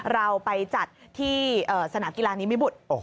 เราไปจัดที่สนามกีฬานิมิบุตร